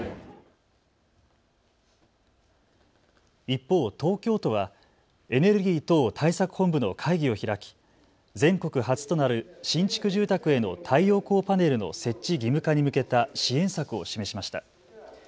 一方、東京都はエネルギー等対策本部の会議を開き、全国初となる新築住宅への太陽光パネルの設置義務化に向けた支援策を示しました。